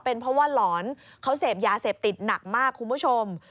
เป็นเพราะว่าหลอนเขาเสพยาเสพติดหนักมากคุณผู้ชม